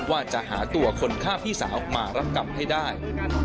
ว่าจะหาตัวคนฆ่าพี่สาวมารับกลับให้ได้